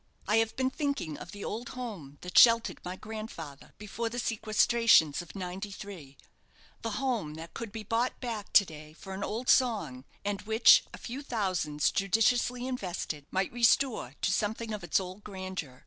I have been thinking of the old home that sheltered my grandfather before the sequestrations of '93 the home that could be bought back to day for an old song, and which a few thousands, judiciously invested, might restore to something of its old grandeur.